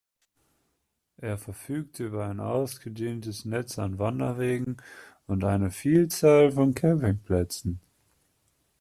Er verfügt über ein ausgedehntes Netz an Wanderwegen und eine Vielzahl von Campingplätzen.